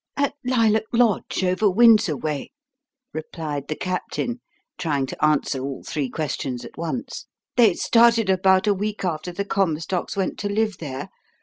"At Lilac Lodge, over Windsor way," replied the Captain, trying to answer all three questions at once. "They started about a week after the Comstocks went to live there.